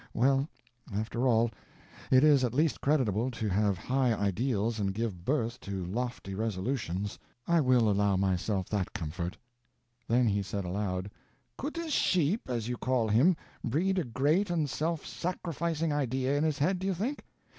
Well—after all, it is at least creditable to have high ideals and give birth to lofty resolutions; I will allow myself that comfort." Then he said, aloud, "Could this sheep, as you call him, breed a great and self sacrificing idea in his head, do you think?